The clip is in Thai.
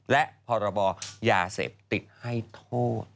และพรบยาเสพติดให้โทษ